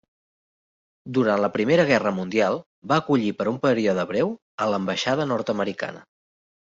Durant la Primera Guerra Mundial va acollir per un període breu a l'ambaixada nord-americana.